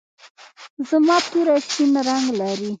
زما توره شین رنګ لري.